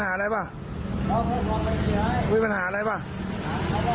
ทำอะไรเด็กครับ